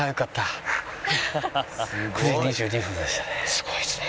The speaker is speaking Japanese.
すごいですね。